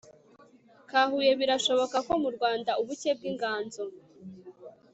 ka Huye Birashoboka ko mu Rwanda ubuke bw inganzo